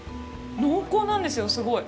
濃厚なんですよ、すごい。